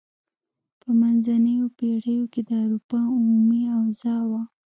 په منځنیو پیړیو کې د اروپا عمومي اوضاع وه.